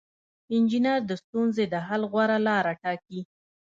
انجینر د ستونزې د حل غوره لاره ټاکي.